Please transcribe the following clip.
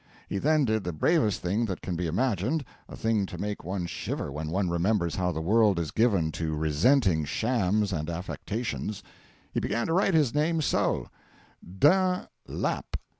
He then did the bravest thing that can be imagined a thing to make one shiver when one remembers how the world is given to resenting shams and affectations; he began to write his name so: d'Un Lap.